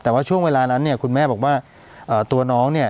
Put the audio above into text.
แต่ว่าช่วงเวลานั้นเนี่ยคุณแม่บอกว่าตัวน้องเนี่ย